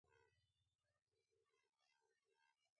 ايٚشور رو نآلو وٺيٚن ديٚݩ۔